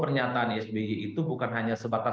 pernyataan sby itu bukan hanya sebatas